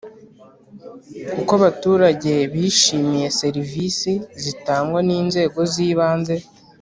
Uko abaturage bishimiye serivisi zitangwa n inzego z ibanze